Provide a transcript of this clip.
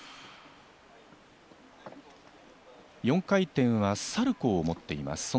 ４回転はサルコーを持っています。